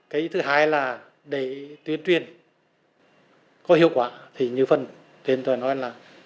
cái thứ hai là để tuyên truyền có hiệu quả thì như phần tuyên truyền nói là